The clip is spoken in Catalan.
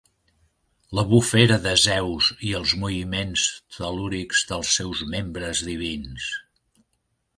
La bufera de Zeus i els moviments tel·lúrics dels seus membres divins.